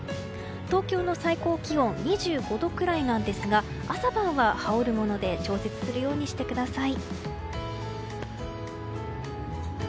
東京の最高気温２５度くらいなんですが朝晩は羽織るもので調節するようにしてください。